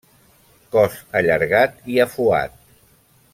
Cos allargat i afuat.